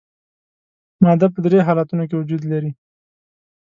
ماده په درې حالتونو کې وجود لري.